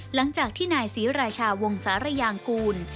หลังจากที่นายศรีราชาวงศาลยางกูล